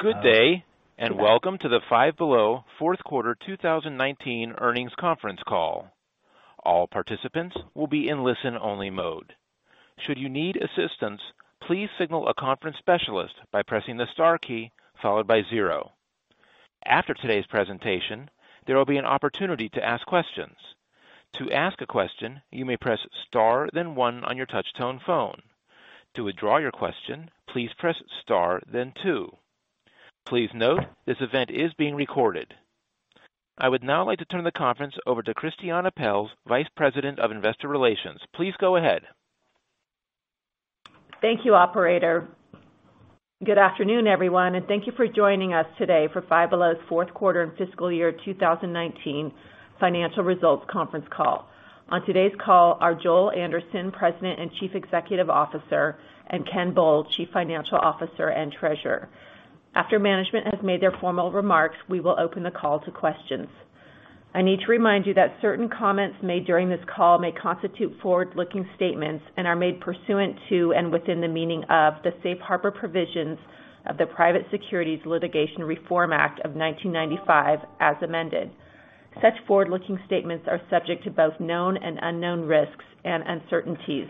Good day, and welcome to the Five BelowFourth Quarter 2019 Earnings Conference Call. All participants will be in listen-only mode. Should you need assistance, please signal a conference specialist by pressing the star key followed by zero. After today's presentation, there will be an opportunity to ask questions. To ask a question, you may press star then one on your touch-tone phone. To withdraw your question, please press star then two. Please note this event is being recorded. I would now like to turn the conference over to Christiane Pelz, Vice President of Investor Relations. Please go ahead. Thank you, Operator. Good afternoon, everyone, and thank you for joining us today for Five Below's fourth quarter and fiscal year 2019 financial results conference call. On today's call are Joel Anderson, President and Chief Executive Officer, and Ken Bull, Chief Financial Officer and Treasurer. After management has made their formal remarks, we will open the call to questions. I need to remind you that certain comments made during this call may constitute forward-looking statements and are made pursuant to and within the meaning of the Safe Harbor Provisions of the Private Securities Litigation Reform Act of 1995, as amended. Such forward-looking statements are subject to both known and unknown risks and uncertainties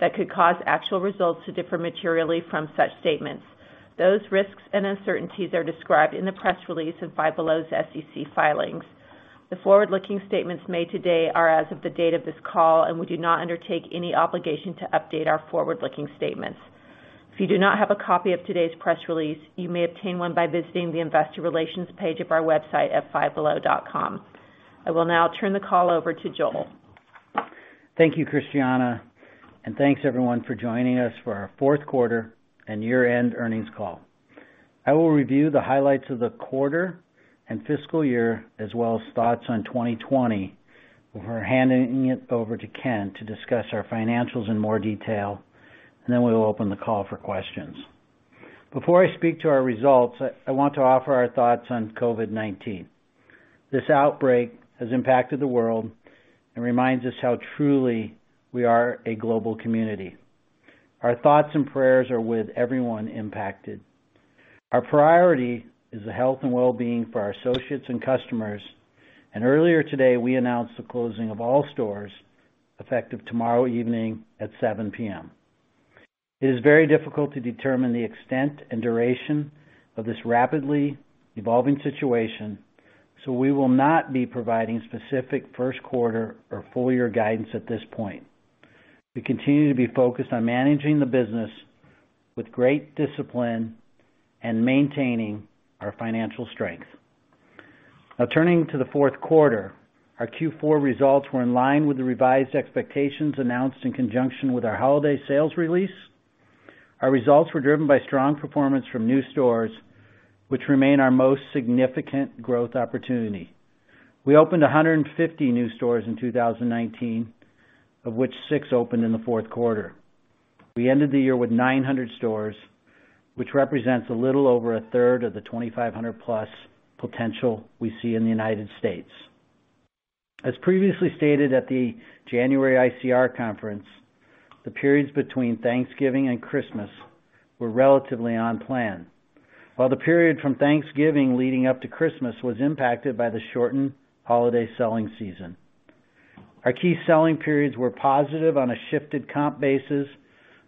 that could cause actual results to differ materially from such statements. Those risks and uncertainties are described in the press release and Five Below's SEC filings. The forward-looking statements made today are as of the date of this call, and we do not undertake any obligation to update our forward-looking statements. If you do not have a copy of today's press release, you may obtain one by visiting the investor relations page of our website at fivebelow.com. I will now turn the call over to Joel. Thank you, Christiane, and thanks, everyone, for joining us for our fourth quarter and year-end earnings call. I will review the highlights of the quarter and fiscal year, as well as thoughts on 2020, before handing it over to Ken to discuss our financials in more detail, and then we will open the call for questions. Before I speak to our results, I want to offer our thoughts on COVID-19. This outbreak has impacted the world and reminds us how truly we are a global community. Our thoughts and prayers are with everyone impacted. Our priority is the health and well-being for our associates and customers, and earlier today we announced the closing of all stores effective tomorrow evening at 7:00 P.M. It is very difficult to determine the extent and duration of this rapidly evolving situation, so we will not be providing specific first quarter or full-year guidance at this point. We continue to be focused on managing the business with great discipline and maintaining our financial strength. Now, turning to the fourth quarter, our Q4 results were in line with the revised expectations announced in conjunction with our holiday sales release. Our results were driven by strong performance from new stores, which remain our most significant growth opportunity. We opened 150 new stores in 2019, of which six opened in the fourth quarter. We ended the year with 900 stores, which represents a little over a third of the 2,500-plus potential we see in the United States. As previously stated at the January ICR conference, the periods between Thanksgiving and Christmas were relatively on plan, while the period from Thanksgiving leading up to Christmas was impacted by the shortened holiday selling season. Our key selling periods were positive on a shifted comp basis,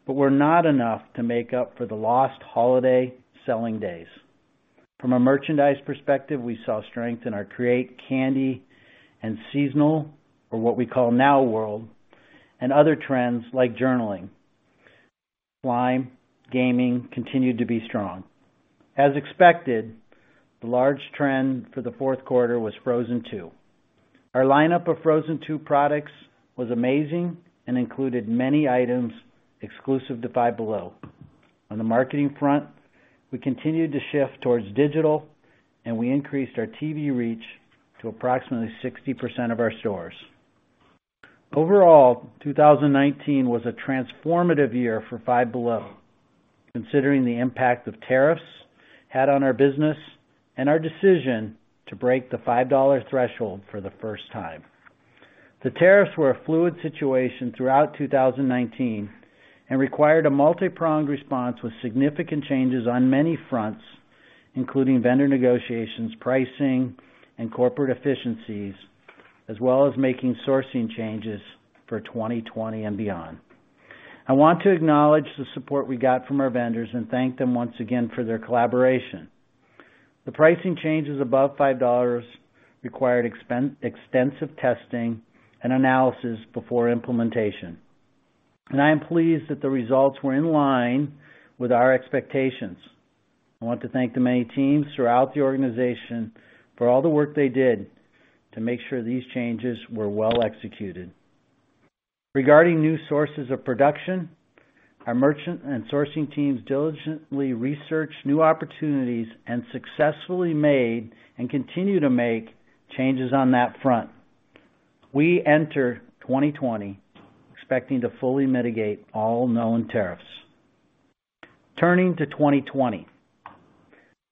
but were not enough to make up for the lost holiday selling days. From a merchandise perspective, we saw strength in our create, candy, and seasonal, or what we call now world, and other trends like journaling. Lime, gaming continued to be strong. As expected, the large trend for the fourth quarter was Frozen 2. Our lineup of Frozen 2products was amazing and included many items exclusive to Five Below. On the marketing front, we continued to shift towards digital, and we increased our TV reach to approximately 60% of our stores. Overall, 2019 was a transformative year for Five Below, considering the impact that tariffs had on our business and our decision to break the $5 threshold for the first time. The tariffs were a fluid situation throughout 2019 and required a multi-pronged response with significant changes on many fronts, including vendor negotiations, pricing, and corporate efficiencies, as well as making sourcing changes for 2020 and beyond. I want to acknowledge the support we got from our vendors and thank them once again for their collaboration. The pricing changes above $5 required extensive testing and analysis before implementation, and I am pleased that the results were in line with our expectations. I want to thank the many teams throughout the organization for all the work they did to make sure these changes were well executed. Regarding new sources of production, our merchant and sourcing teams diligently researched new opportunities and successfully made and continue to make changes on that front. We enter 2020 expecting to fully mitigate all known tariffs. Turning to 2020,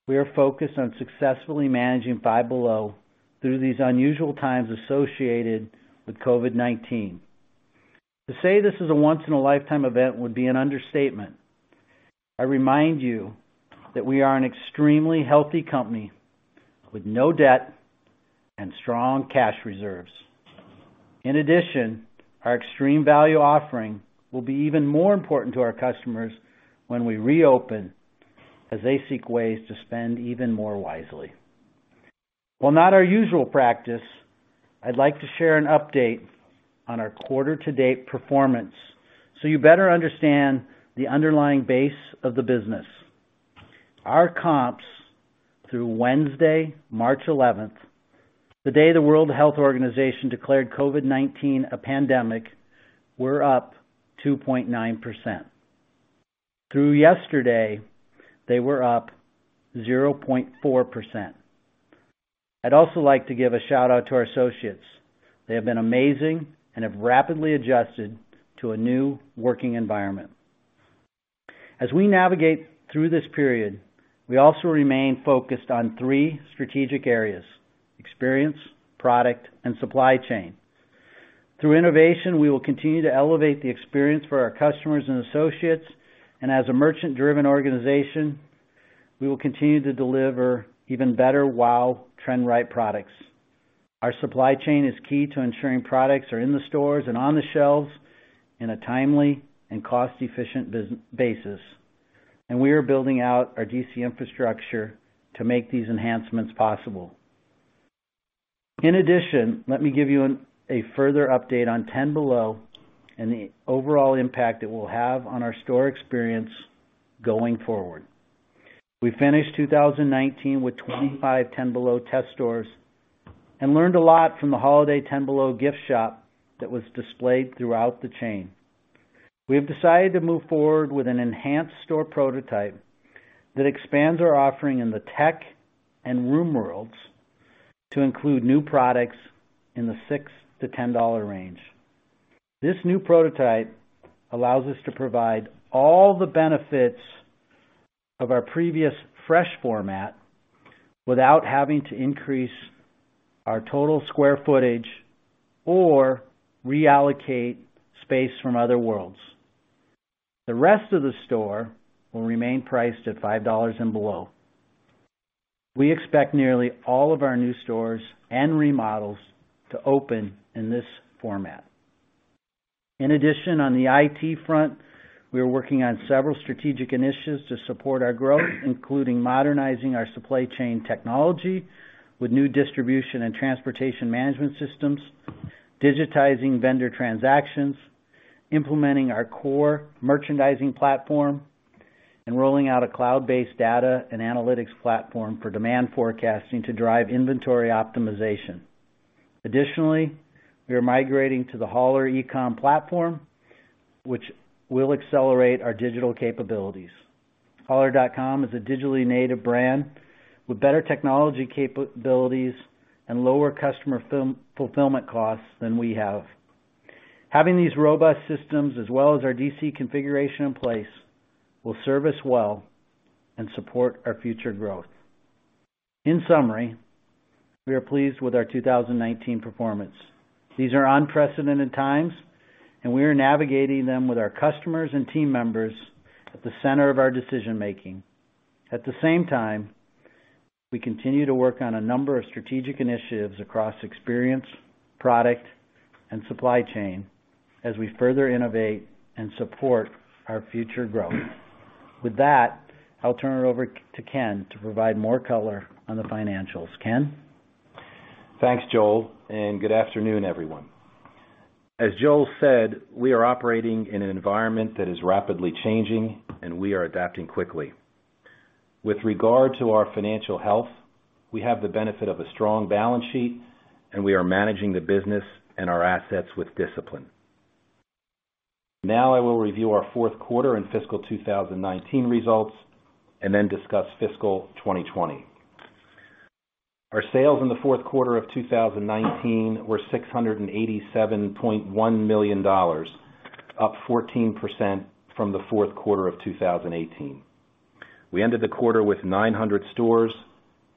we are focused on successfully managing Five Below through these unusual times associated with COVID-19. To say this is a once-in-a-lifetime event would be an understatement. I remind you that we are an extremely healthy company with no debt and strong cash reserves. In addition, our extreme value offering will be even more important to our customers when we reopen as they seek ways to spend even more wisely. While not our usual practice, I'd like to share an update on our quarter-to-date performance so you better understand the underlying base of the business. Our comps through Wednesday, March 11, the day the World Health Organization declared COVID-19 a pandemic, were up 2.9%. Through yesterday, they were up 0.4%. I'd also like to give a shout-out to our associates. They have been amazing and have rapidly adjusted to a new working environment. As we navigate through this period, we also remain focused on three strategic areas: experience, product, and supply chain. Through innovation, we will continue to elevate the experience for our customers and associates, and as a merchant-driven organization, we will continue to deliver even better while trend-right products. Our supply chain is key to ensuring products are in the stores and on the shelves in a timely and cost-efficient basis, and we are building out our DC infrastructure to make these enhancements possible. In addition, let me give you a further update on Ten Below and the overall impact it will have on our store experience going forward. We finished 2019 with 25 Ten Below test stores and learned a lot from the holiday Ten Below gift shop that was displayed throughout the chain. We have decided to move forward with an enhanced store prototype that expands our offering in the tech and room worlds to include new products in the $6-$10 range. This new prototype allows us to provide all the benefits of our previous fresh format without having to increase our total square footage or reallocate space from other worlds. The rest of the store will remain priced at $5 and below. We expect nearly all of our new stores and remodels to open in this format. In addition, on the IT front, we are working on several strategic initiatives to support our growth, including modernizing our supply chain technology with new distribution and transportation management systems, digitizing vendor transactions, implementing our core merchandising platform, and rolling out a cloud-based data and analytics platform for demand forecasting to drive inventory optimization. Additionally, we are migrating to the Holler e-comm platform, which will accelerate our digital capabilities. Holler.com is a digitally native brand with better technology capabilities and lower customer fulfillment costs than we have. Having these robust systems, as well as our DC configuration in place, will serve us well and support our future growth. In summary, we are pleased with our 2019 performance. These are unprecedented times, and we are navigating them with our customers and team members at the center of our decision-making. At the same time, we continue to work on a number of strategic initiatives across experience, product, and supply chain as we further innovate and support our future growth. With that, I'll turn it over to Ken to provide more color on the financials. Ken. Thanks, Joel, and good afternoon, everyone. As Joel said, we are operating in an environment that is rapidly changing, and we are adapting quickly. With regard to our financial health, we have the benefit of a strong balance sheet, and we are managing the business and our assets with discipline. Now, I will review our fourth quarter and fiscal 2019 results and then discuss fiscal 2020. Our sales in the fourth quarter of 2019 were $687.1 million, up 14% from the fourth quarter of 2018. We ended the quarter with 900 stores,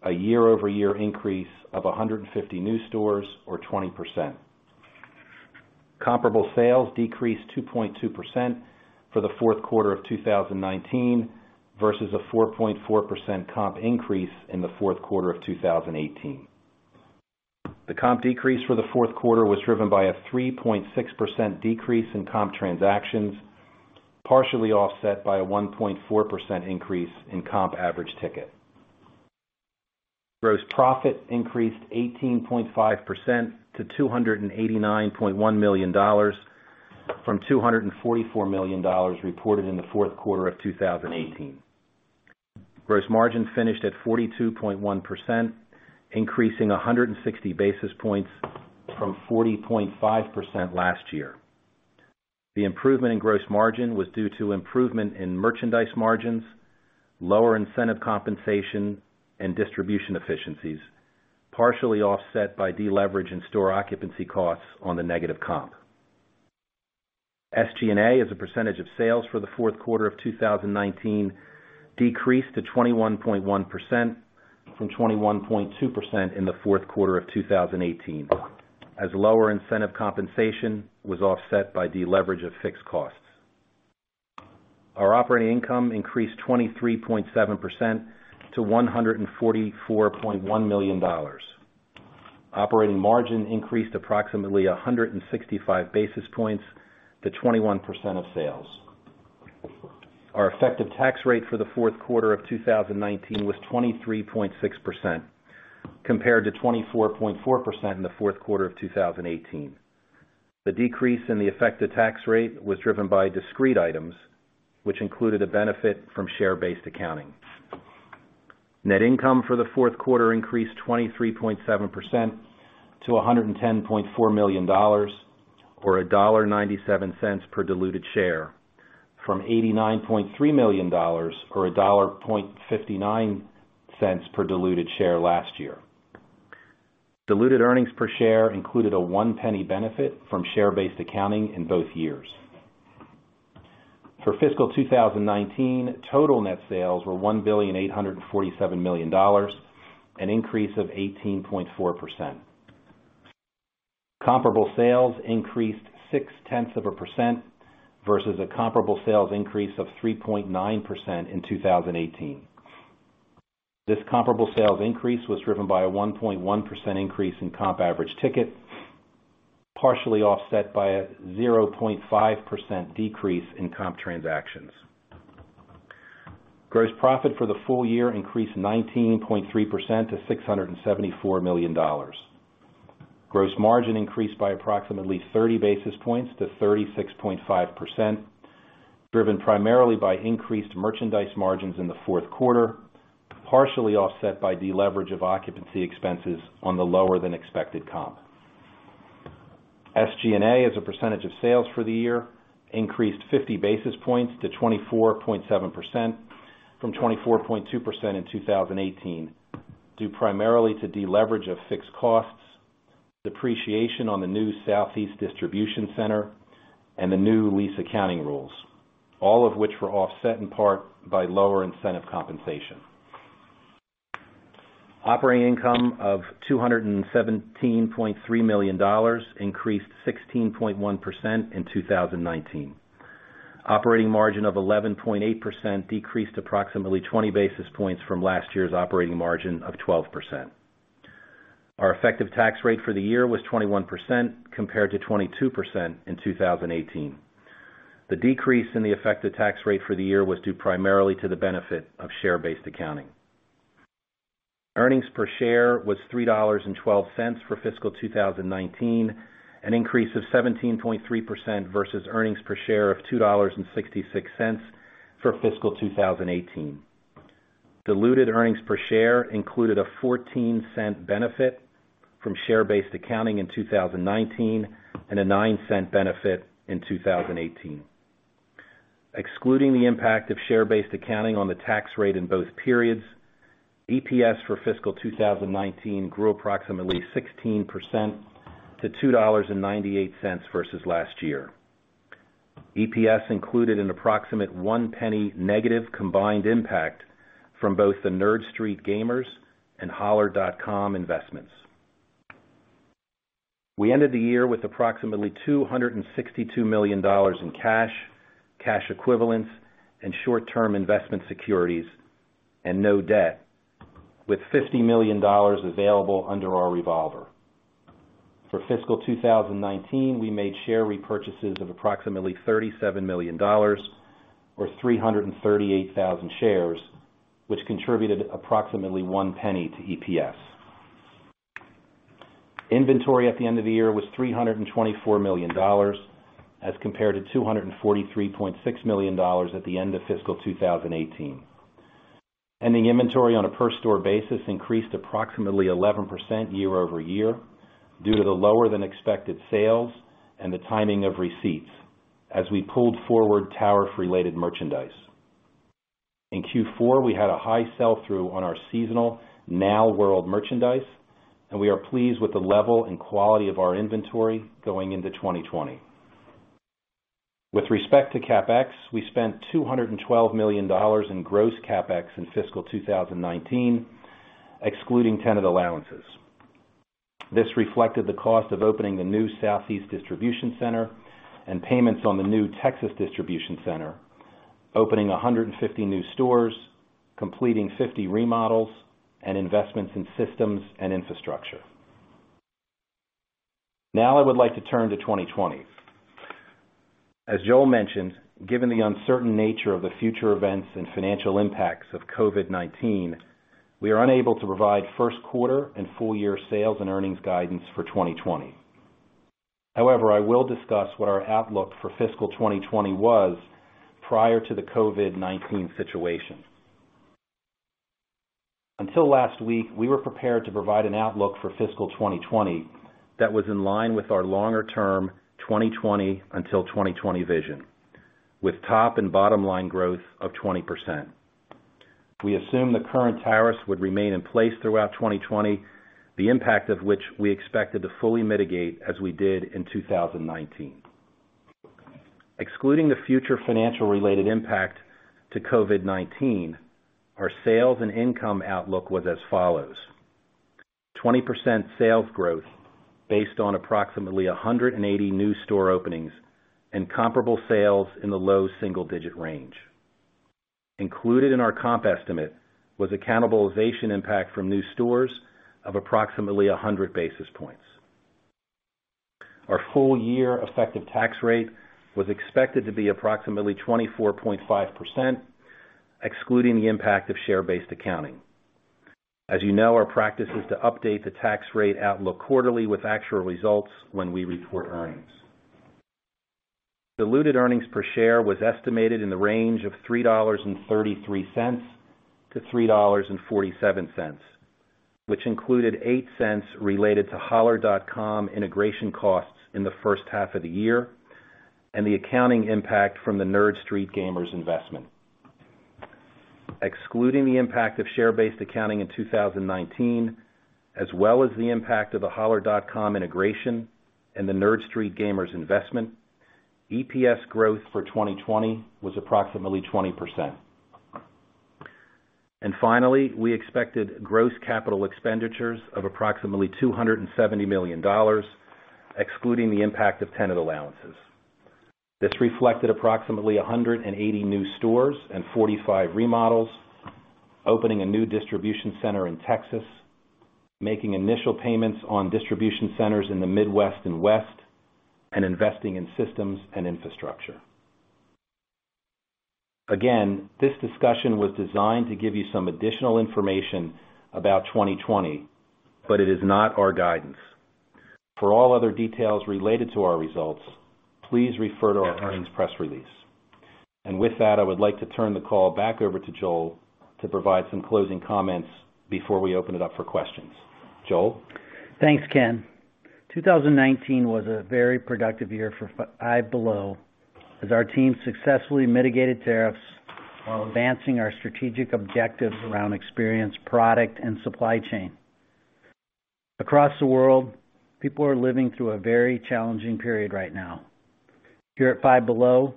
a year-over-year increase of 150 new stores, or 20%. Comparable sales decreased 2.2% for the fourth quarter of 2019 versus a 4.4% comp increase in the fourth quarter of 2018. The comp decrease for the fourth quarter was driven by a 3.6% decrease in comp transactions, partially offset by a 1.4% increase in comp average ticket. Gross profit increased 18.5% to $289.1 million from $244 million reported in the fourth quarter of 2018. Gross margin finished at 42.1%, increasing 160 basis points from 40.5% last year. The improvement in gross margin was due to improvement in merchandise margins, lower incentive compensation, and distribution efficiencies, partially offset by deleverage and store occupancy costs on the negative comp. SG&A as a percentage of sales for the fourth quarter of 2019 decreased to 21.1% from 21.2% in the fourth quarter of 2018, as lower incentive compensation was offset by deleverage of fixed costs. Our operating income increased 23.7% to $144.1 million. Operating margin increased approximately 165 basis points to 21% of sales. Our effective tax rate for the fourth quarter of 2019 was 23.6%, compared to 24.4% in the fourth quarter of 2018. The decrease in the effective tax rate was driven by discrete items, which included a benefit from share-based accounting. Net income for the fourth quarter increased 23.7% to $110.4 million, or $1.97 per diluted share, from $89.3 million, or $1.59 per diluted share last year. Diluted earnings per share included a one-penny benefit from share-based accounting in both years. For fiscal 2019, total net sales were $1,847 million, an increase of 18.4%. Comparable sales increased 0.6% versus a comparable sales increase of 3.9% in 2018. This comparable sales increase was driven by a 1.1% increase in comp average ticket, partially offset by a 0.5% decrease in comp transactions. Gross profit for the full year increased 19.3% to $674 million. Gross margin increased by approximately 30 basis points to 36.5%, driven primarily by increased merchandise margins in the fourth quarter, partially offset by deleverage of occupancy expenses on the lower-than-expected comp. SG&A as a percentage of sales for the year increased 50 basis points to 24.7% from 24.2% in 2018, due primarily to deleverage of fixed costs, depreciation on the new Southeast Distribution Center, and the new lease accounting rules, all of which were offset in part by lower incentive compensation. Operating income of $217.3 million increased 16.1% in 2019. Operating margin of 11.8% decreased approximately 20 basis points from last year's operating margin of 12%. Our effective tax rate for the year was 21%, compared to 22% in 2018. The decrease in the effective tax rate for the year was due primarily to the benefit of share-based accounting. Earnings per share was $3.12 for fiscal 2019, an increase of 17.3% versus earnings per share of $2.66 for fiscal 2018. Diluted earnings per share included a $0.14 benefit from share-based accounting in 2019 and a $0.09 benefit in 2018. Excluding the impact of share-based accounting on the tax rate in both periods, EPS for fiscal 2019 grew approximately 16% to $2.98 versus last year. EPS included an approximate $0.01 negative combined impact from both the Nerd Street Gamers and Holler investments. We ended the year with approximately $262 million in cash, cash equivalents, and short-term investment securities, and no debt, with $50 million available under our revolver. For fiscal 2019, we made share repurchases of approximately $37 million, or 338,000 shares, which contributed approximately $0.01 to EPS. Inventory at the end of the year was $324 million, as compared to $243.6 million at the end of fiscal 2018. Ending inventory on a per-store basis increased approximately 11% year-over-year due to the lower-than-expected sales and the timing of receipts, as we pulled forward tower-related merchandise. In Q4, we had a high sell-through on our seasonal Now World merchandise, and we are pleased with the level and quality of our inventory going into 2020. With respect to CapEx, we spent $212 million in gross CapEx in fiscal 2019, excluding tenant allowances. This reflected the cost of opening the new Southeast Distribution Center and payments on the new Texas Distribution Center, opening 150 new stores, completing 50 remodels, and investments in systems and infrastructure. Now, I would like to turn to 2020. As Joel mentioned, given the uncertain nature of the future events and financial impacts of COVID-19, we are unable to provide first-quarter and full-year sales and earnings guidance for 2020. However, I will discuss what our outlook for fiscal 2020 was prior to the COVID-19 situation. Until last week, we were prepared to provide an outlook for fiscal 2020 that was in line with our longer-term 2020 until 2020 vision, with top and bottom-line growth of 20%. We assumed the current tariffs would remain in place throughout 2020, the impact of which we expected to fully mitigate as we did in 2019. Excluding the future financial-related impact to COVID-19, our sales and income outlook was as follows: 20% sales growth based on approximately 180 new store openings and comparable sales in the low single-digit range. Included in our comp estimate was accountabilization impact from new stores of approximately 100 basis points. Our full-year effective tax rate was expected to be approximately 24.5%, excluding the impact of share-based accounting. As you know, our practice is to update the tax rate outlook quarterly with actual results when we report earnings. Diluted earnings per share was estimated in the range of $3.33-$3.47, which included $0.08 related to Holler.com integration costs in the first half of the year and the accounting impact from the Nerd Street Gamers investment. Excluding the impact of share-based accounting in 2019, as well as the impact of the Holler.com integration and the Nerd Street Gamers investment, EPS growth for 2020 was approximately 20%. Finally, we expected gross capital expenditures of approximately $270 million, excluding the impact of tenant allowances. This reflected approximately 180 new stores and 45 remodels, opening a new distribution center in Texas, making initial payments on distribution centers in the Midwest and West, and investing in systems and infrastructure. Again, this discussion was designed to give you some additional information about 2020, but it is not our guidance. For all other details related to our results, please refer to our earnings press release. With that, I would like to turn the call back over to Joel to provide some closing comments before we open it up for questions. Joel? Thanks, Ken. 2019 was a very productive year for Five Below, as our team successfully mitigated tariffs while advancing our strategic objectives around experience, product, and supply chain. Across the world, people are living through a very challenging period right now. Here at Five Below,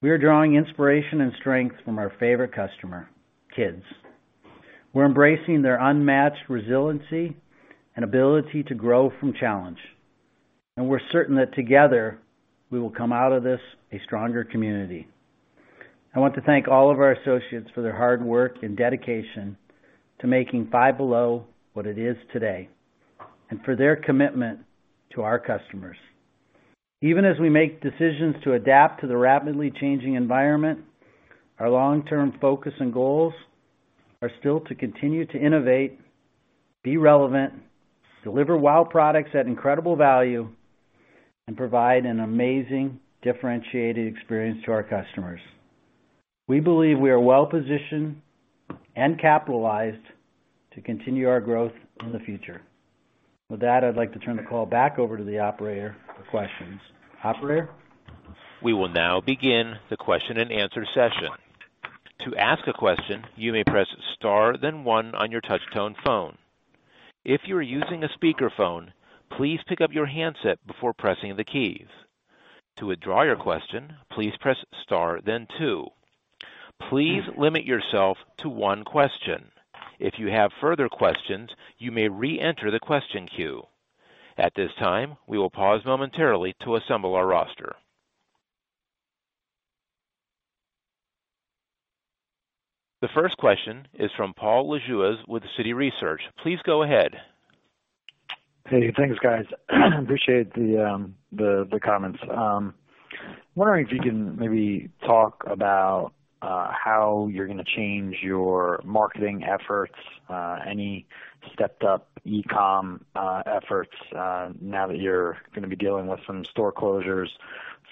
we are drawing inspiration and strength from our favorite customer, kids. We're embracing their unmatched resiliency and ability to grow from challenge. We are certain that together, we will come out of this a stronger community. I want to thank all of our associates for their hard work and dedication to making Five Below what it is today, and for their commitment to our customers. Even as we make decisions to adapt to the rapidly changing environment, our long-term focus and goals are still to continue to innovate, be relevant, deliver wow products at incredible value, and provide an amazing, differentiated experience to our customers. We believe we are well-positioned and capitalized to continue our growth in the future. With that, I'd like to turn the call back over to the operator for questions. Operator? We will now begin the question-and-answer session. To ask a question, you may press star then one on your touch-tone phone. If you are using a speakerphone, please pick up your handset before pressing the keys. To withdraw your question, please press star then two. Please limit yourself to one question. If you have further questions, you may re-enter the question queue. At this time, we will pause momentarily to assemble our roster. The first question is from Paul Lejuez with Citi Research. Please go ahead. Hey, thanks, guys. Appreciate the comments. Wondering if you can maybe talk about how you're going to change your marketing efforts, any stepped-up e-comm efforts now that you're going to be dealing with some store closures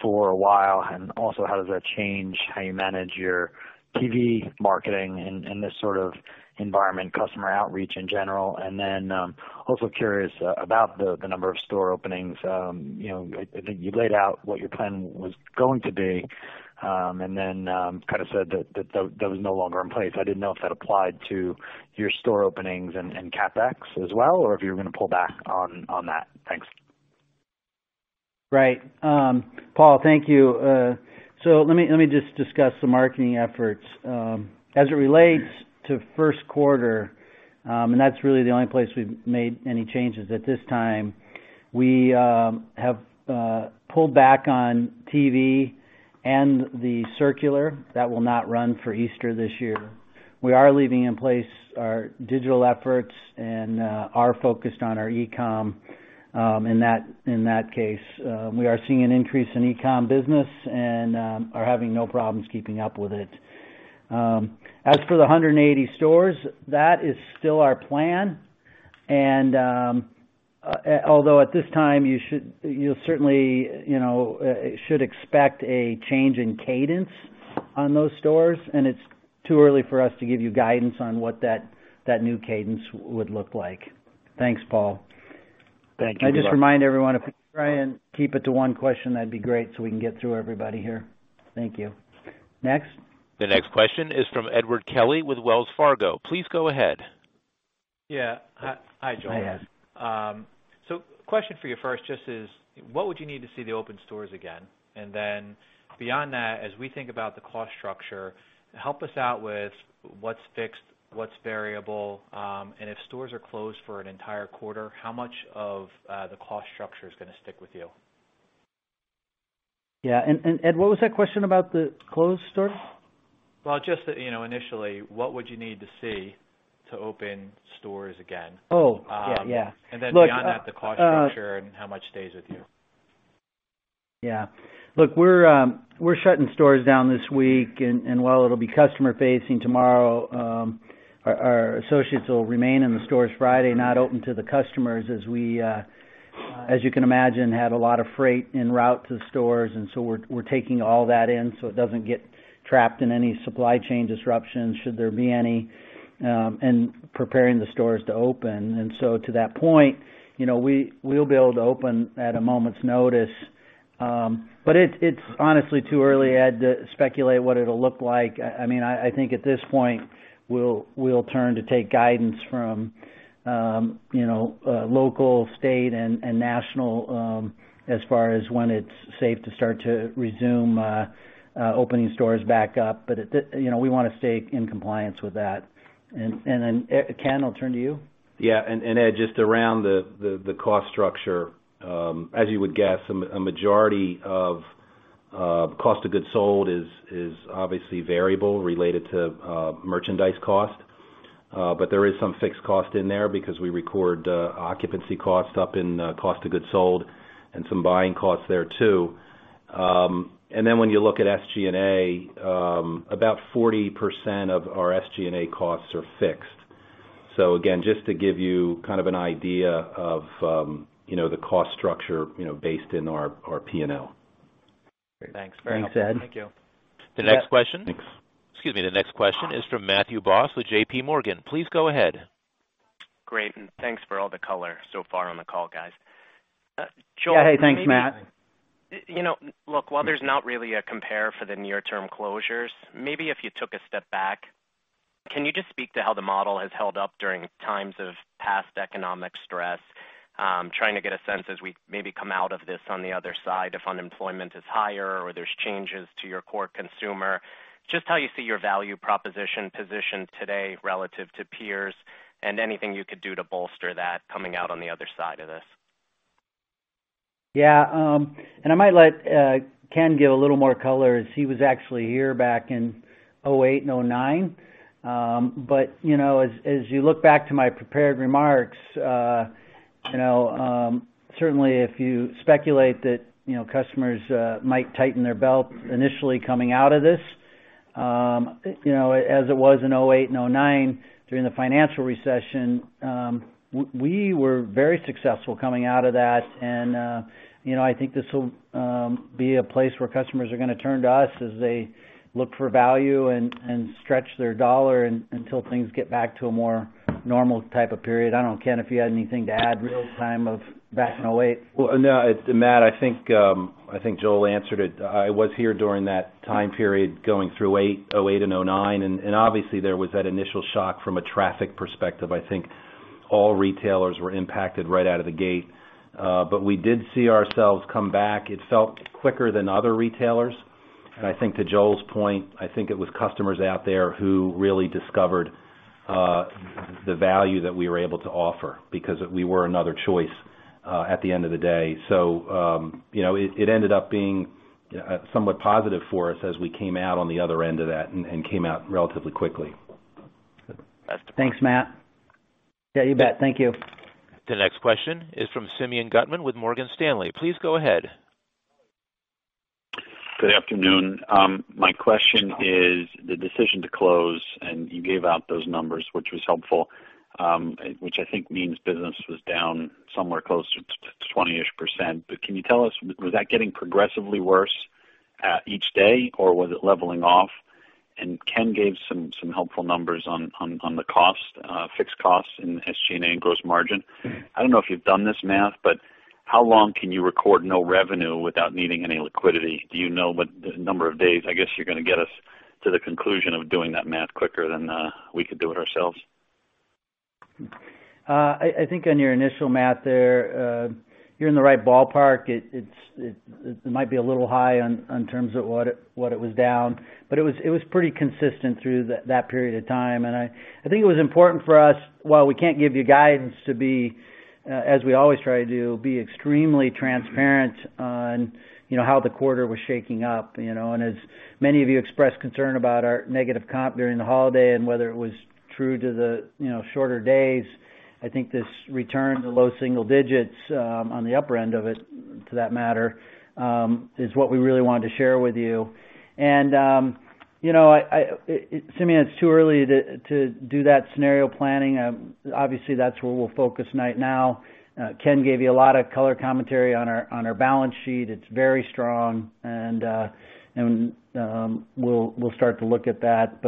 for a while, and also how does that change how you manage your TV marketing in this sort of environment, customer outreach in general. Also curious about the number of store openings. I think you laid out what your plan was going to be, and then kind of said that that was no longer in place. I didn't know if that applied to your store openings and CapEx as well, or if you were going to pull back on that. Thanks. Right. Paul, thank you. Let me just discuss the marketing efforts. As it relates to first quarter, and that is really the only place we have made any changes at this time, we have pulled back on TV and the circular that will not run for Easter this year. We are leaving in place our digital efforts and are focused on our e-comm in that case. We are seeing an increase in e-comm business and are having no problems keeping up with it. As for the 180 stores, that is still our plan. Although at this time, you certainly should expect a change in cadence on those stores, and it is too early for us to give you guidance on what that new cadence would look like. Thanks, Paul. Thank you, Joel. I just remind everyone, if we try and keep it to one question, that'd be great so we can get through everybody here. Thank you. Next? The next question is from Edward Kelly with Wells Fargo. Please go ahead. Yeah. Hi, Joel. So question for you first just is, what would you need to see to open stores again? And then beyond that, as we think about the cost structure, help us out with what's fixed, what's variable, and if stores are closed for an entire quarter, how much of the cost structure is going to stick with you? Yeah. Ed, what was that question about the closed stores? Just initially, what would you need to see to open stores again? Oh, yeah. Then beyond that, the cost structure and how much stays with you. Yeah. Look, we're shutting stores down this week. While it'll be customer-facing tomorrow, our associates will remain in the stores Friday, not open to the customers, as you can imagine, had a lot of freight en route to the stores. We're taking all that in so it doesn't get trapped in any supply chain disruptions, should there be any, and preparing the stores to open. To that point, we'll be able to open at a moment's notice. It's honestly too early, Ed, to speculate what it'll look like. I mean, I think at this point, we'll turn to take guidance from local, state, and national as far as when it's safe to start to resume opening stores back up. We want to stay in compliance with that. Ken, I'll turn to you. Yeah. Ed, just around the cost structure, as you would guess, a majority of cost of goods sold is obviously variable related to merchandise cost. There is some fixed cost in there because we record occupancy cost up in cost of goods sold and some buying costs there too. When you look at SG&A, about 40% of our SG&A costs are fixed. Again, just to give you kind of an idea of the cost structure based in our P&L. Thanks. Very good. Thanks, Ed. Thank you. The next question. Thanks. Excuse me. The next question is from Matthew Boss with JPMorgan. Please go ahead. Great. Thanks for all the color so far on the call, guys. Joel is joining in. Yeah. Hey, thanks, Matt. Look, while there's not really a compare for the near-term closures, maybe if you took a step back, can you just speak to how the model has held up during times of past economic stress, trying to get a sense as we maybe come out of this on the other side if unemployment is higher or there's changes to your core consumer, just how you see your value proposition positioned today relative to peers and anything you could do to bolster that coming out on the other side of this? Yeah. I might let Ken give a little more color as he was actually here back in 2008 and 2009. As you look back to my prepared remarks, certainly if you speculate that customers might tighten their belt initially coming out of this, as it was in 2008 and 2009 during the financial recession, we were very successful coming out of that. I think this will be a place where customers are going to turn to us as they look for value and stretch their dollar until things get back to a more normal type of period. I do not know, Ken, if you had anything to add real-time of back in 2008. No, Matt, I think Joel answered it. I was here during that time period going through 2008 and 2009. Obviously, there was that initial shock from a traffic perspective. I think all retailers were impacted right out of the gate. We did see ourselves come back. It felt quicker than other retailers. I think to Joel's point, it was customers out there who really discovered the value that we were able to offer because we were another choice at the end of the day. It ended up being somewhat positive for us as we came out on the other end of that and came out relatively quickly. Best of luck. Thanks, Matt. Yeah, you bet. Thank you. The next question is from Simeon Gutman with Morgan Stanley. Please go ahead. Good afternoon. My question is the decision to close, and you gave out those numbers, which was helpful, which I think means business was down somewhere close to 20% ish. Can you tell us, was that getting progressively worse each day, or was it leveling off? Ken gave some helpful numbers on the cost, fixed costs in SG&A and gross margin. I do not know if you have done this math, but how long can you record no revenue without needing any liquidity? Do you know the number of days? I guess you are going to get us to the conclusion of doing that math quicker than we could do it ourselves. I think on your initial math there, you're in the right ballpark. It might be a little high in terms of what it was down, but it was pretty consistent through that period of time. I think it was important for us, while we can't give you guidance, to be, as we always try to do, extremely transparent on how the quarter was shaking up. As many of you expressed concern about our negative comp during the holiday and whether it was true to the shorter days, I think this return to low single digits on the upper end of it, to that matter, is what we really wanted to share with you. Simeon, it's too early to do that scenario planning. Obviously, that's where we'll focus right now. Ken gave you a lot of color commentary on our balance sheet. It's very strong. We will start to look at that.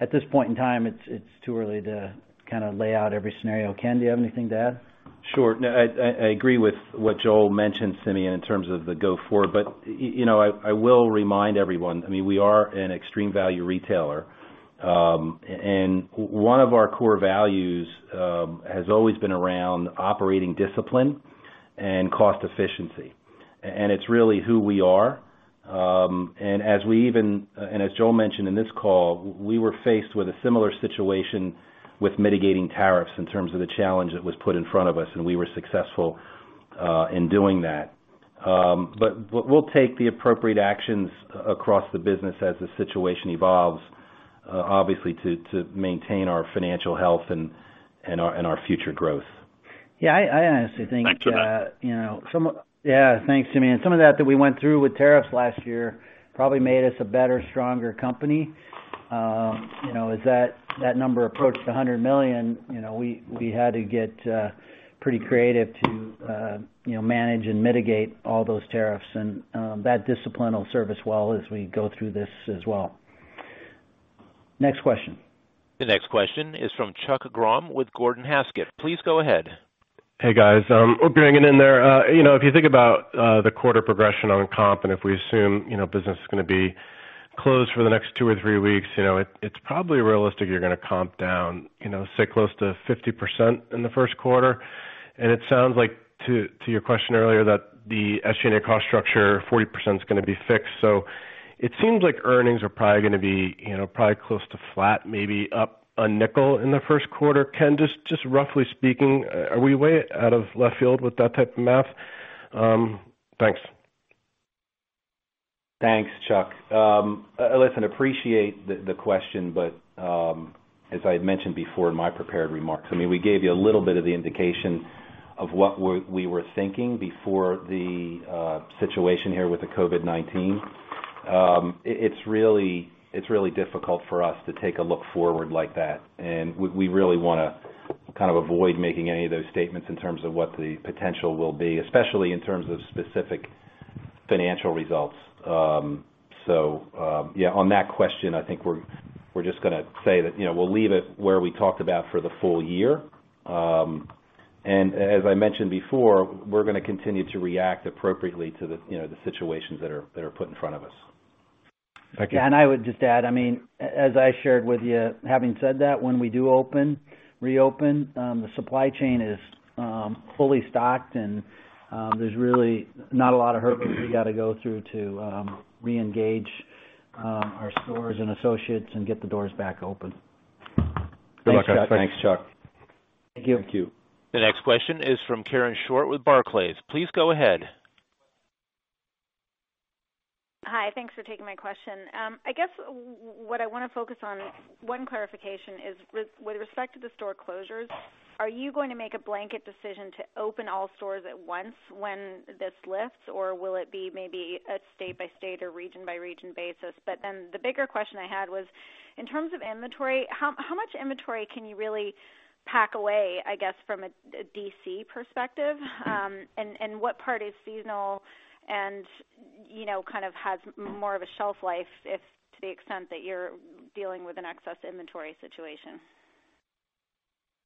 At this point in time, it is too early to kind of lay out every scenario. Ken, do you have anything to add? Sure. I agree with what Joel mentioned, Simeon, in terms of the go-forward. I will remind everyone, I mean, we are an extreme value retailer. One of our core values has always been around operating discipline and cost efficiency. It is really who we are. As we even, and as Joel mentioned in this call, we were faced with a similar situation with mitigating tariffs in terms of the challenge that was put in front of us. We were successful in doing that. We will take the appropriate actions across the business as the situation evolves, obviously, to maintain our financial health and our future growth. Yeah. I honestly think. Thanks, Joel. Yeah. Thanks, Simeon. Some of that that we went through with tariffs last year probably made us a better, stronger company. As that number approached $100 million, we had to get pretty creative to manage and mitigate all those tariffs. That discipline will serve us well as we go through this as well. Next question. The next question is from Chuck Grom with Gordon Haskett. Please go ahead. Hey, guys. We're hanging in there. If you think about the quarter progression on comp, and if we assume business is going to be closed for the next two or three weeks, it's probably realistic you're going to comp down, say, close to 50% in the first quarter. It sounds like to your question earlier that the SG&A cost structure, 40% is going to be fixed. It seems like earnings are probably going to be probably close to flat, maybe up a nickel in the first quarter. Ken, just roughly speaking, are we way out of left field with that type of math? Thanks. Thanks, Chuck. Listen, appreciate the question, but as I had mentioned before in my prepared remarks, I mean, we gave you a little bit of the indication of what we were thinking before the situation here with the COVID-19. It's really difficult for us to take a look forward like that. We really want to kind of avoid making any of those statements in terms of what the potential will be, especially in terms of specific financial results. Yeah, on that question, I think we're just going to say that we'll leave it where we talked about for the full year. As I mentioned before, we're going to continue to react appropriately to the situations that are put in front of us. Yeah. I would just add, I mean, as I shared with you, having said that, when we do reopen, the supply chain is fully stocked, and there's really not a lot of hurdles we got to go through to reengage our stores and associates and get the doors back open. Thanks, Chuck. Thanks, Chuck. Thank you. Thank you. The next question is from Karen Short with Barclays. Please go ahead. Hi. Thanks for taking my question. I guess what I want to focus on, one clarification, is with respect to the store closures, are you going to make a blanket decision to open all stores at once when this lifts, or will it be maybe a state-by-state or region-by-region basis? The bigger question I had was, in terms of inventory, how much inventory can you really pack away, I guess, from a DC perspective? What part is seasonal and kind of has more of a shelf life to the extent that you're dealing with an excess inventory situation?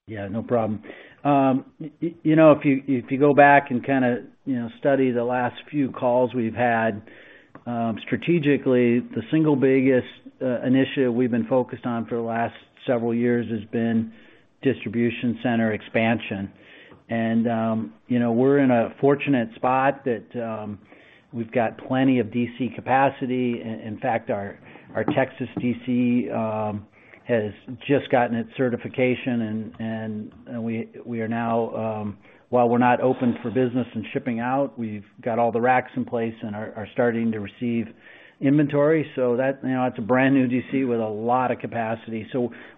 Yeah. No problem. If you go back and kind of study the last few calls we've had, strategically, the single biggest initiative we've been focused on for the last several years has been distribution center expansion. We're in a fortunate spot that we've got plenty of DC capacity. In fact, our Texas DC has just gotten its certification. We are now, while we're not open for business and shipping out, we've got all the racks in place and are starting to receive inventory. That's a brand new DC with a lot of capacity.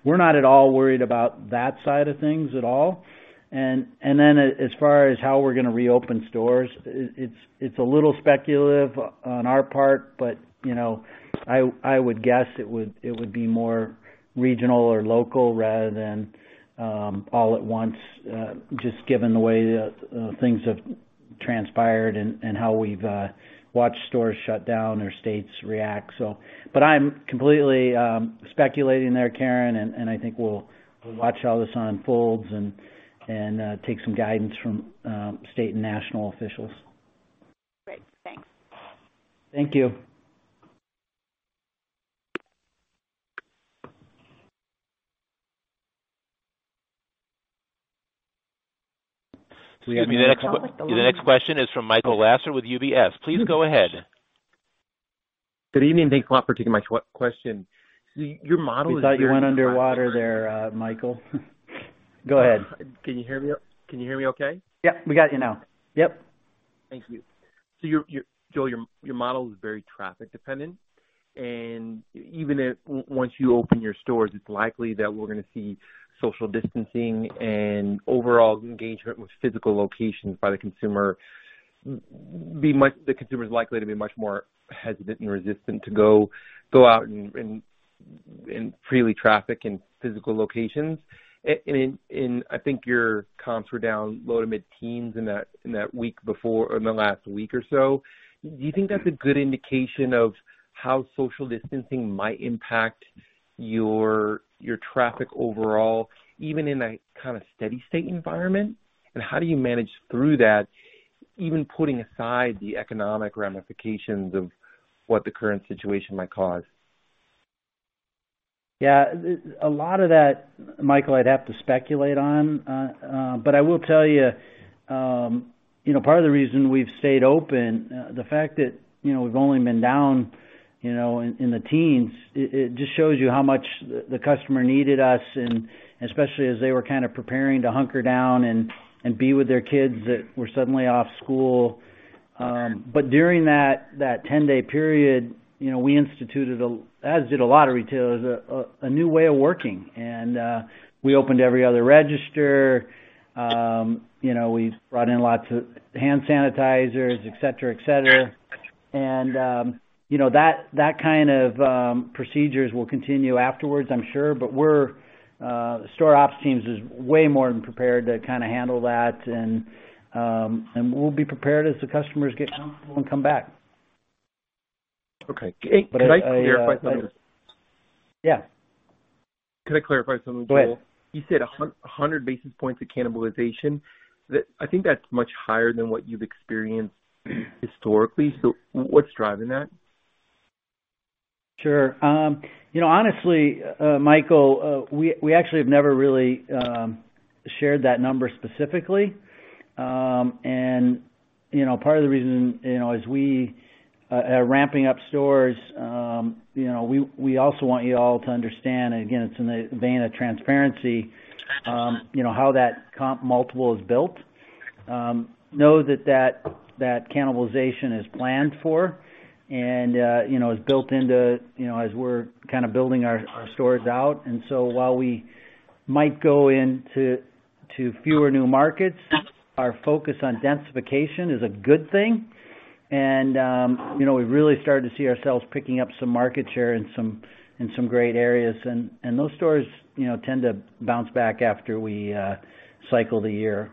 We're not at all worried about that side of things at all. As far as how we're going to reopen stores, it's a little speculative on our part, but I would guess it would be more regional or local rather than all at once, just given the way things have transpired and how we've watched stores shut down or states react. I'm completely speculating there, Karen, and I think we'll watch how this unfolds and take some guidance from state and national officials. Great. Thanks. Thank you. Simeon, the next question is from Michael Lasser with UBS. Please go ahead. Good evening. Thanks a lot for taking my question. Your model is. You thought you went underwater there, Michael. Go ahead. Can you hear me okay? Yeah. We got you now. Yep. Thank you. Joel, your model is very traffic-dependent. Even once you open your stores, it's likely that we're going to see social distancing and overall engagement with physical locations by the consumer. The consumer is likely to be much more hesitant and resistant to go out and freely traffic in physical locations. I think your comps were down low to mid-teens in that week before or in the last week or so. Do you think that's a good indication of how social distancing might impact your traffic overall, even in a kind of steady-state environment? How do you manage through that, even putting aside the economic ramifications of what the current situation might cause? Yeah. A lot of that, Michael, I'd have to speculate on. I will tell you, part of the reason we've stayed open, the fact that we've only been down in the teens, it just shows you how much the customer needed us, especially as they were kind of preparing to hunker down and be with their kids that were suddenly off school. During that 10-day period, we instituted, as did a lot of retailers, a new way of working. We opened every other register. We brought in lots of hand sanitizers, etc., etc. That kind of procedures will continue afterwards, I'm sure. The store ops team is way more than prepared to kind of handle that. We'll be prepared as the customers get comfortable and come back. Okay. Can I clarify something? Yeah. Can I clarify something, Joel? Go ahead. You said 100 basis points of cannibalization. I think that's much higher than what you've experienced historically. What's driving that? Sure. Honestly, Michael, we actually have never really shared that number specifically. Part of the reason is we are ramping up stores. We also want you all to understand, and again, it's in the vein of transparency, how that comp multiple is built. Know that that cannibalization is planned for and is built into as we're kind of building our stores out. While we might go into fewer new markets, our focus on densification is a good thing. We've really started to see ourselves picking up some market share in some great areas. Those stores tend to bounce back after we cycle the year.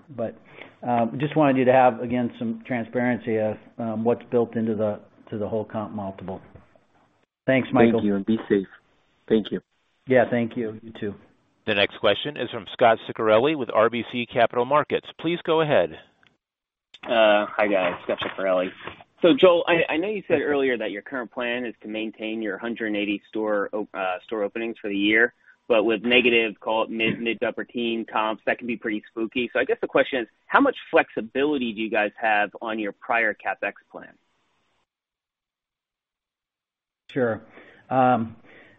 I just wanted you to have, again, some transparency of what's built into the whole comp multiple. Thanks, Michael. Thank you. Be safe. Thank you. Yeah. Thank you. You too. The next question is from Scott Ciccarelli with RBC Capital Markets. Please go ahead. Hi, guys. Scott Ciccarelli. Joel, I know you said earlier that your current plan is to maintain your 180 store openings for the year, but with negative, call it mid to upper-teen comps, that can be pretty spooky. I guess the question is, how much flexibility do you guys have on your prior CapEx plan? Sure.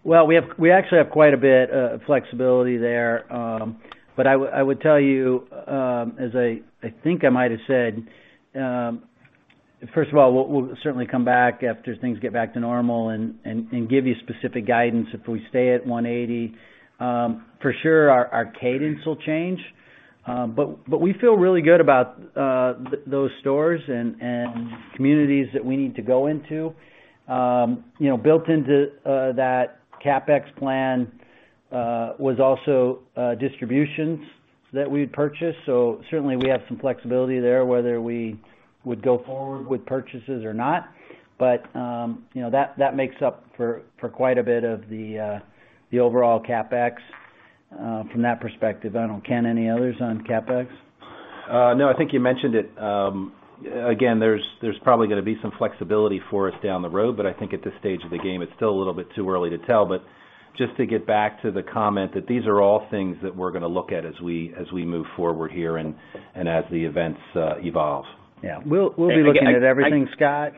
We actually have quite a bit of flexibility there. I would tell you, as I think I might have said, first of all, we'll certainly come back after things get back to normal and give you specific guidance if we stay at 180. For sure, our cadence will change. We feel really good about those stores and communities that we need to go into. Built into that CapEx plan was also distributions that we'd purchase. We have some flexibility there, whether we would go forward with purchases or not. That makes up for quite a bit of the overall CapEx from that perspective. I don't know, Ken, any others on CapEx? No. I think you mentioned it. Again, there's probably going to be some flexibility for us down the road. I think at this stage of the game, it's still a little bit too early to tell. Just to get back to the comment that these are all things that we're going to look at as we move forward here and as the events evolve. Yeah. We'll be looking at everything. Scott,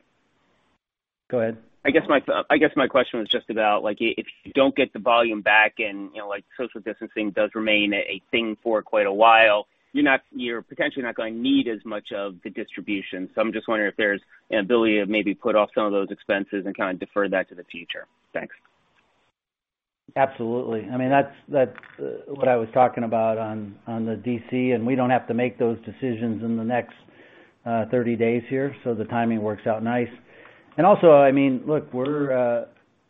go ahead. I guess my question was just about if you don't get the volume back and social distancing does remain a thing for quite a while, you're potentially not going to need as much of the distribution. I'm just wondering if there's an ability to maybe put off some of those expenses and kind of defer that to the future. Thanks. Absolutely. I mean, that's what I was talking about on the DC. We don't have to make those decisions in the next 30 days here. The timing works out nice. I mean, look, we're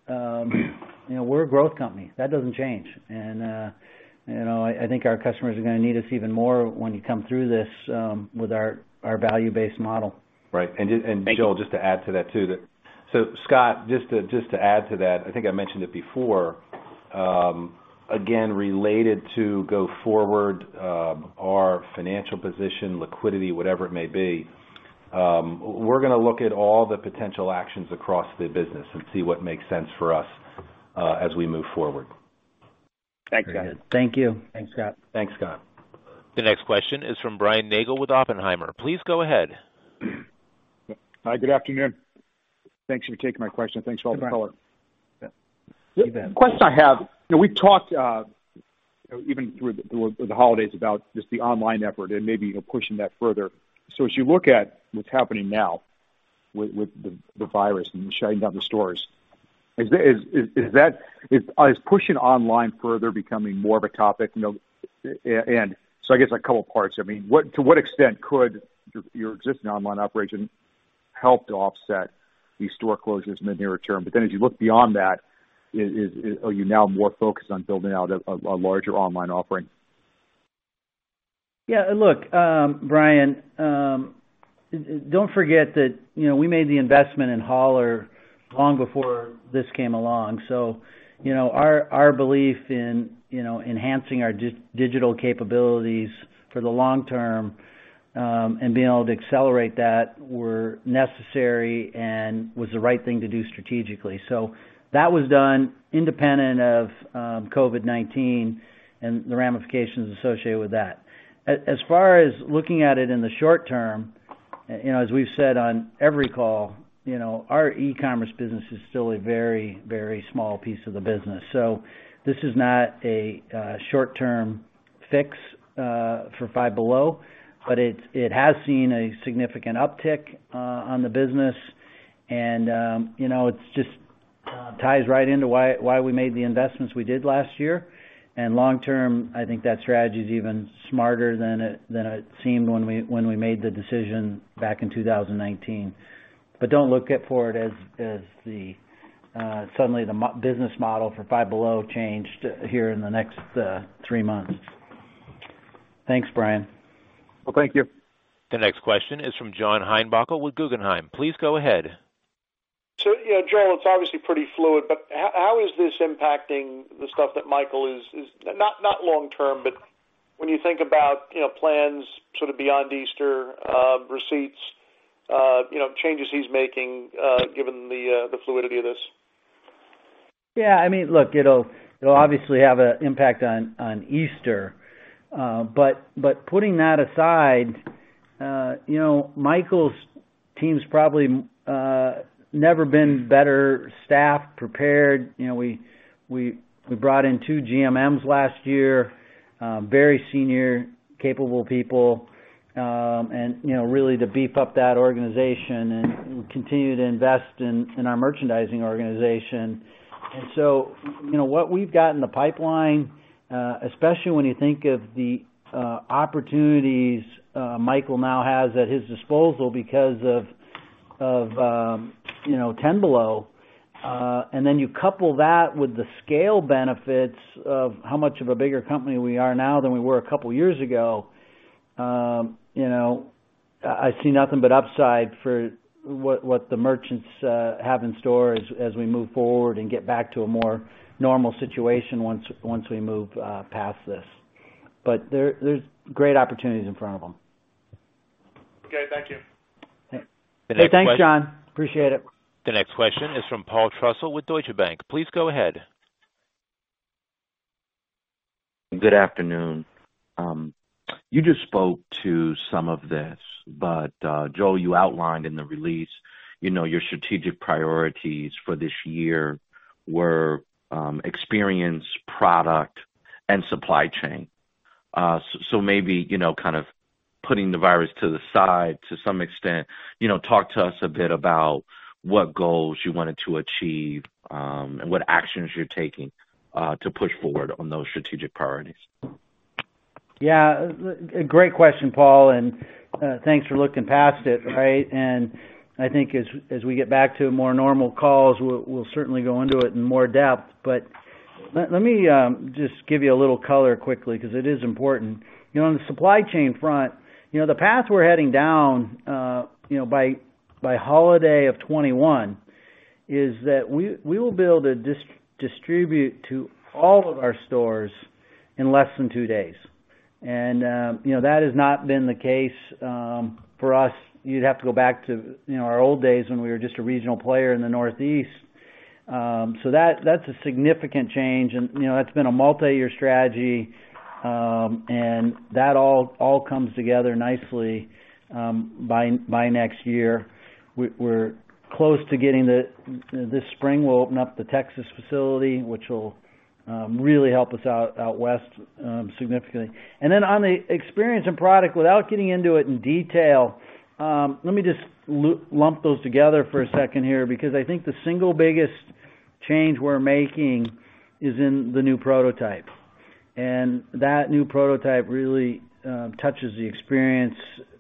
a growth company. That doesn't change. I think our customers are going to need us even more when you come through this with our value-based model. Right. Joel, just to add to that too, Scott, just to add to that, I think I mentioned it before, again, related to go forward, our financial position, liquidity, whatever it may be, we're going to look at all the potential actions across the business and see what makes sense for us as we move forward. Thanks, guys. Thank you. Thanks, Scott. Thanks, Scott. The next question is from Brian Nagel with Oppenheimer. Please go ahead. Hi. Good afternoon. Thanks for taking my question. [Speech Overlap] Thanks for all the calling. Yeah. The question I have, we've talked even through the holidays about just the online effort and maybe pushing that further. As you look at what's happening now with the virus and shutting down the stores, is pushing online further becoming more of a topic? I guess a couple of parts. I mean, to what extent could your existing online operation help to offset these store closures in the nearer term? As you look beyond that, are you now more focused on building out a larger online offering? Yeah. Look, Brian, do not forget that we made the investment in Holler long before this came along. Our belief in enhancing our digital capabilities for the long term and being able to accelerate that were necessary and was the right thing to do strategically. That was done independent of COVID-19 and the ramifications associated with that. As far as looking at it in the short term, as we have said on every call, our e-commerce business is still a very, very small piece of the business. This is not a short-term fix for Five Below, but it has seen a significant uptick on the business. It just ties right into why we made the investments we did last year. Long term, I think that strategy is even smarter than it seemed when we made the decision back in 2019. Do not look for it as suddenly the business model for Five Below changed here in the next three months. Thanks, Brian. Thank you. The next question is from John Heinbockel with Guggenheim. Please go ahead. Joel, it's obviously pretty fluid, but how is this impacting the stuff that Michael is, not long term, but when you think about plans sort of beyond Easter, receipts, changes he's making given the fluidity of this? Yeah. I mean, look, it'll obviously have an impact on Easter. Putting that aside, Michael's team's probably never been better staffed, prepared. We brought in two GMMs last year, very senior, capable people, and really to beef up that organization and continue to invest in our merchandising organization. What we've got in the pipeline, especially when you think of the opportunities Michael now has at his disposal because of Ten Below, and then you couple that with the scale benefits of how much of a bigger company we are now than we were a couple of years ago, I see nothing but upside for what the merchants have in store as we move forward and get back to a more normal situation once we move past this. There's great opportunities in front of them. Okay. Thank you. Thanks, John. Appreciate it. The next question is from Paul Trussell with Deutsche Bank. Please go ahead. Good afternoon. You just spoke to some of this. Joel, you outlined in the release your strategic priorities for this year were experience, product, and supply chain. Maybe kind of putting the virus to the side to some extent, talk to us a bit about what goals you wanted to achieve and what actions you're taking to push forward on those strategic priorities. Yeah. Great question, Paul. Thanks for looking past it, right? I think as we get back to more normal calls, we'll certainly go into it in more depth. Let me just give you a little color quickly because it is important. On the supply chain front, the path we're heading down by holiday of 2021 is that we will be able to distribute to all of our stores in less than two days. That has not been the case for us. You'd have to go back to our old days when we were just a regional player in the Northeast. That's a significant change. That's been a multi-year strategy. That all comes together nicely by next year. We're close to getting there. This spring, we'll open up the Texas facility, which will really help us out west significantly. On the experience and product, without getting into it in detail, let me just lump those together for a second here because I think the single biggest change we're making is in the new prototype. That new prototype really touches the experience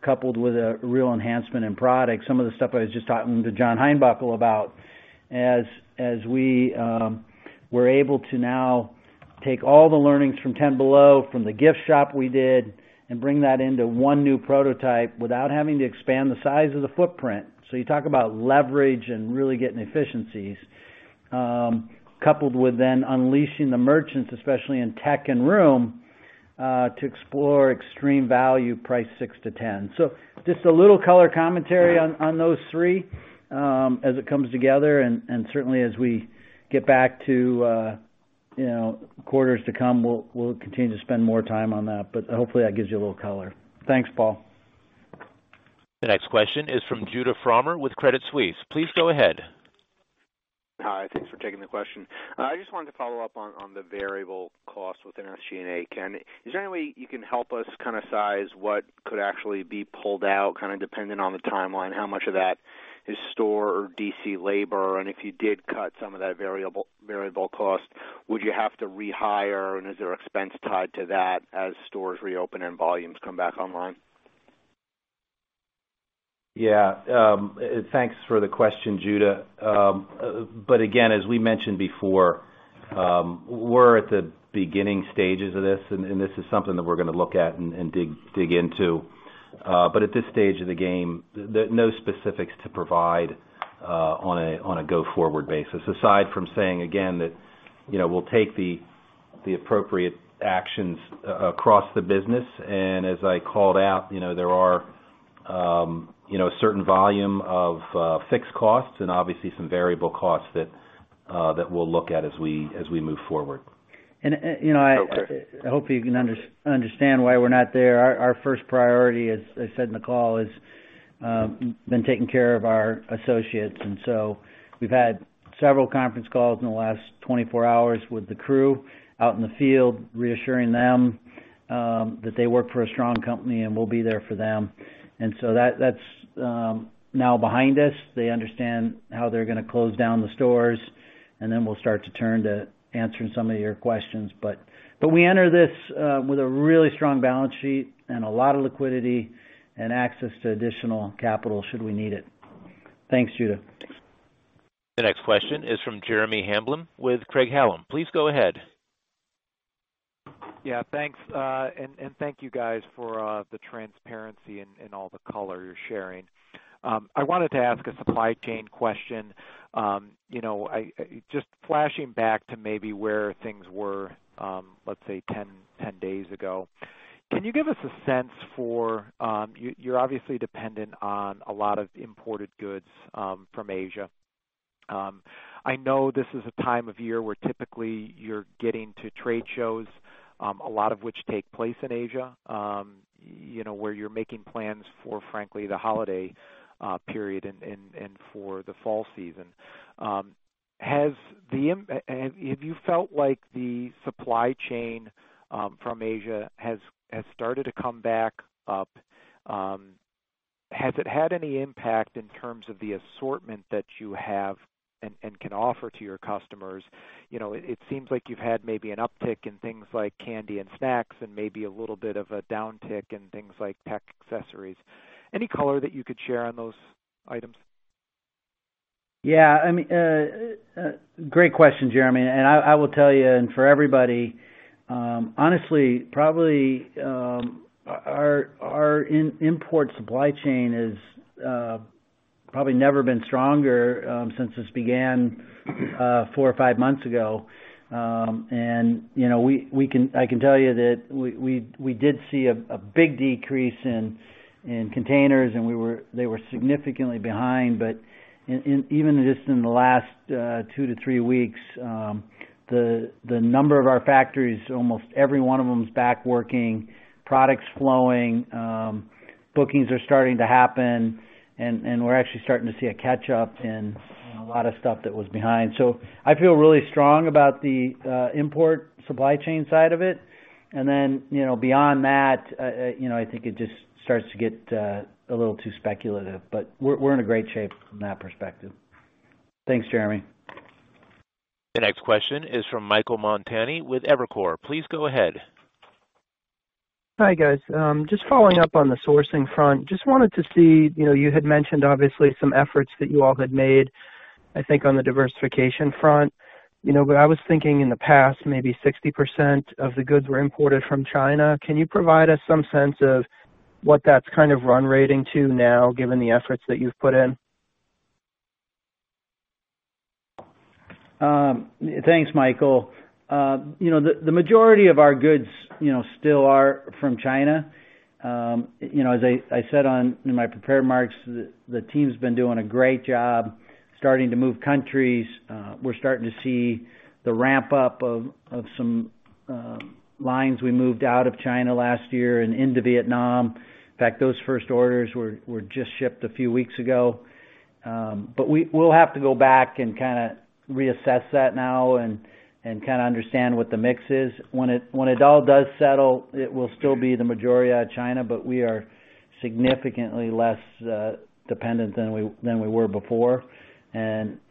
coupled with a real enhancement in product. Some of the stuff I was just talking to John Heinbockel about as we were able to now take all the learnings from Ten Below, from the gift shop we did, and bring that into one new prototype without having to expand the size of the footprint. You talk about leverage and really getting efficiencies coupled with then unleashing the merchants, especially in tech and room, to explore extreme value, price $6-$10. Just a little color commentary on those three as it comes together. Certainly, as we get back to quarters to come, we'll continue to spend more time on that. Hopefully, that gives you a little color. Thanks, Paul. The next question is from Judah Frommer with Credit Suisse. Please go ahead. Hi. Thanks for taking the question. I just wanted to follow up on the variable cost within SG&A. Ken, is there any way you can help us kind of size what could actually be pulled out kind of depending on the timeline, how much of that is store or DC labor? If you did cut some of that variable cost, would you have to rehire? Is there expense tied to that as stores reopen and volumes come back online? Yeah. Thanks for the question, Judith. As we mentioned before, we're at the beginning stages of this. This is something that we're going to look at and dig into. At this stage of the game, no specifics to provide on a go-forward basis aside from saying, again, that we'll take the appropriate actions across the business. As I called out, there are a certain volume of fixed costs and obviously some variable costs that we'll look at as we move forward. I hope you can understand why we're not there. Our first priority, as I said in the call, has been taking care of our associates. We have had several conference calls in the last 24 hours with the crew out in the field, reassuring them that they work for a strong company and we will be there for them. That is now behind us. They understand how they are going to close down the stores. We will start to turn to answering some of your questions. We enter this with a really strong balance sheet and a lot of liquidity and access to additional capital should we need it. Thanks, Judith. The next question is from Jeremy Hamblin with Craig-Hallum Capital Group. Please go ahead. Yeah. Thanks. Thank you, guys, for the transparency and all the color you're sharing. I wanted to ask a supply chain question. Just flashing back to maybe where things were, let's say, 10 days ago, can you give us a sense for you're obviously dependent on a lot of imported goods from Asia. I know this is a time of year where typically you're getting to trade shows, a lot of which take place in Asia, where you're making plans for, frankly, the holiday period and for the fall season. Have you felt like the supply chain from Asia has started to come back up? Has it had any impact in terms of the assortment that you have and can offer to your customers? It seems like you've had maybe an uptick in things like candy and snacks and maybe a little bit of a downtick in things like tech accessories. Any color that you could share on those items? Yeah. I mean, great question, Jeremy. I will tell you, and for everybody, honestly, probably our import supply chain has probably never been stronger since this began four or five months ago. I can tell you that we did see a big decrease in containers, and they were significantly behind. Even just in the last two to three weeks, the number of our factories, almost every one of them is back working, products flowing, bookings are starting to happen. We are actually starting to see a catch-up in a lot of stuff that was behind. I feel really strong about the import supply chain side of it. Beyond that, I think it just starts to get a little too speculative. We are in great shape from that perspective. Thanks, Jeremy. The next question is from Michael Montani with Evercore. Please go ahead. Hi, guys. Just following up on the sourcing front, just wanted to see you had mentioned, obviously, some efforts that you all had made, I think, on the diversification front. I was thinking in the past, maybe 60% of the goods were imported from China. Can you provide us some sense of what that's kind of run rating to now, given the efforts that you've put in? Thanks, Michael. The majority of our goods still are from China. As I said in my prepared marks, the team's been doing a great job starting to move countries. We're starting to see the ramp-up of some lines we moved out of China last year and into Vietnam. In fact, those first orders were just shipped a few weeks ago. We will have to go back and kind of reassess that now and kind of understand what the mix is. When it all does settle, it will still be the majority out of China, but we are significantly less dependent than we were before.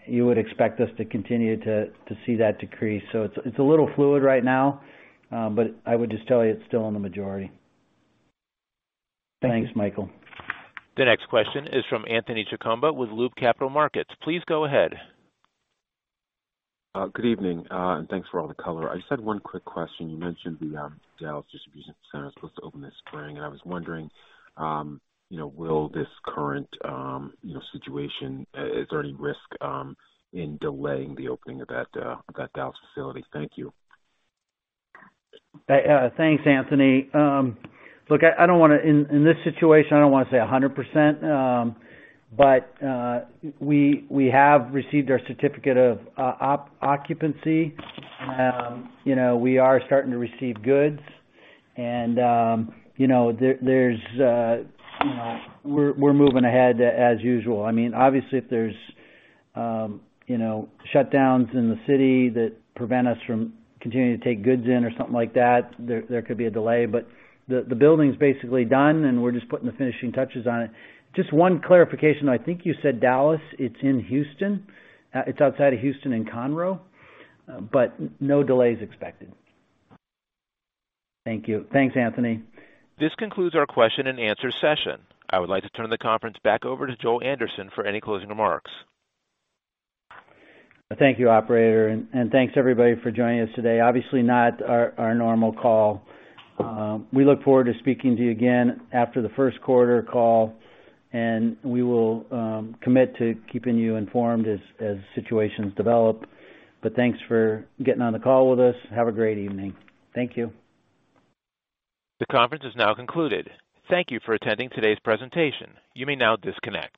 You would expect us to continue to see that decrease. It is a little fluid right now, but I would just tell you it is still in the majority. Thanks, Michael. The next question is from Anthony Chukumba with Loop Capital Markets. Please go ahead. Good evening, and thanks for all the color. I just had one quick question. You mentioned the Dallas Distribution Center is supposed to open this spring. I was wondering, will this current situation, is there any risk in delaying the opening of that Dallas facility? Thank you. Thanks, Anthony. Look, I don't want to in this situation, I don't want to say 100%, but we have received our certificate of occupancy. We are starting to receive goods. And we're moving ahead as usual. I mean, obviously, if there's shutdowns in the city that prevent us from continuing to take goods in or something like that, there could be a delay. But the building's basically done, and we're just putting the finishing touches on it. Just one clarification. I think you said Dallas, it's in Houston. It's outside of Houston and Conroe, but no delays expected. Thank you. Thanks, Anthony. This concludes our question-and-answer session. I would like to turn the conference back over to Joel Anderson for any closing remarks. Thank you, operator. Thank you, everybody, for joining us today. Obviously, not our normal call. We look forward to speaking to you again after the first quarter call. We will commit to keeping you informed as situations develop. Thank you for getting on the call with us. Have a great evening. Thank you. The conference is now concluded. Thank you for attending today's presentation. You may now disconnect.